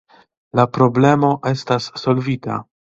La problemo estas solvita!